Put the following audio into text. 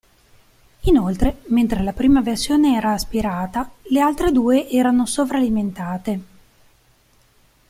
Inoltre, mentre la prima versione era aspirata, le altre due erano sovralimentate.